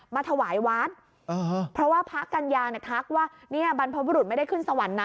มาถวายวัดเพราะว่าพระกัญญาเนี่ยทักว่าเนี่ยบรรพบุรุษไม่ได้ขึ้นสวรรค์นะ